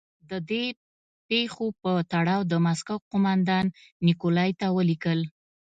د دې پېښو په تړاو د مسکو قومندان نیکولای ته ولیکل.